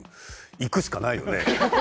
いくしかないよね？